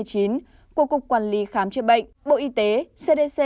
của cục quản lý khám chữa bệnh bộ y tế cdc